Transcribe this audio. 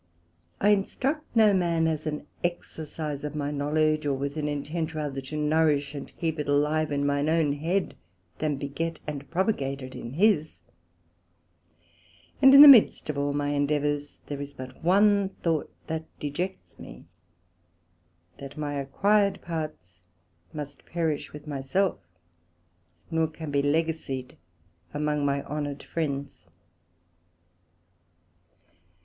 I instruct no man as an exercise of my knowledge, or with an intent rather to nourish and keep it alive in mine own head, then beget and propagate it in his; and in the midst of all my endeavours, there is but one thought that dejects me, that my acquired parts must perish with my self, nor can be Legacied among my honoured Friends.